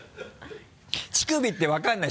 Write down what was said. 乳首って分からない？